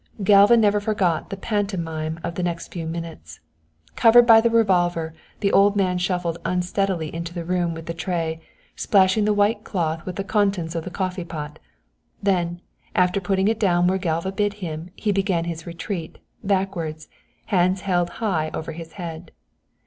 Galva never forgot the pantomime of the next few minutes. Covered by the revolver, the old man shuffled unsteadily into the room with the tray, splashing the white cloth with the contents of the coffee pot. Then, after putting it down where Galva bid him, he began his retreat, backwards, hands held high over his head.